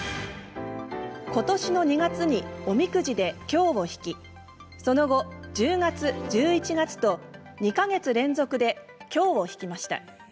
今年の２月におみくじで凶を引きその後、１０月、１１月と２か月連続で凶を引きました。